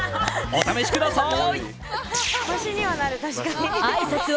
お試しください。